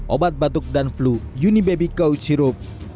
obat batuk dan flu unibaby coach sirup